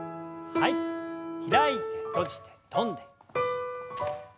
開いて閉じて跳んで。